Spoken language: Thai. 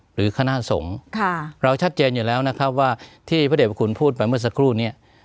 หรือคณะสงฆ์เราชัดเจนอยู่แล้วนะครับว่าที่พระเด็จพระคุณพูดไปเมื่อสักครู่เนี่ย